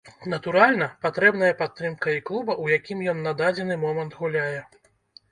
Натуральна, патрэбная падтрымка і клуба, у якім ён на дадзены момант гуляе.